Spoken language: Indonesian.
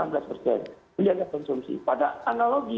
menjaga konsumsi pada analogi